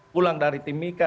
pulang dari timika